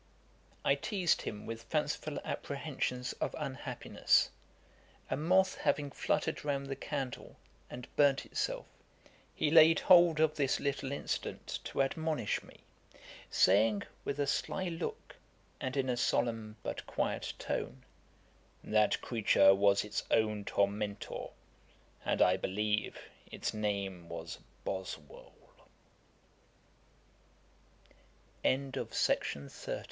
I teized him with fanciful apprehensions of unhappiness. A moth having fluttered round the candle, and burnt itself, he laid hold of this little incident to admonish me; saying, with a sly look, and in a solemn but quiet tone, 'That creature was its own tormentor, and I believe its name was BOSW